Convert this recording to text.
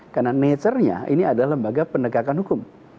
karena nature nya ini adalah lembaga pendekatan hukum